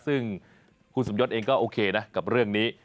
ซึ่งคุณสมยศเองก็โอเคนะกับเรื่องนี้